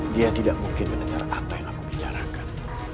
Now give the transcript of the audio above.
dia tidak mungkin mendengar apa yang aku bicarakan